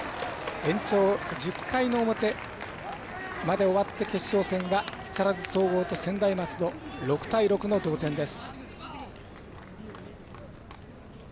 延長１０回の表まで終わって決勝戦は木更津総合と専大松戸６対６の同点です。